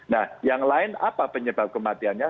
nah yang lain apa penyebab kematiannya